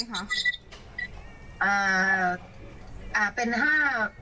อ่าอ่าเป็นห้าห้าแปดเจ็ดเก้าฮะอืมแท็กซี่สีอะไรคะ